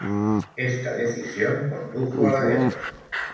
Esta decisión condujo a la guerra.